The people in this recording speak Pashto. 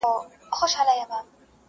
څوک چي وبا نه مني توره بلا نه مني.!